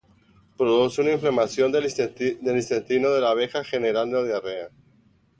Produce una inflamación del intestino de la abeja, generando diarrea.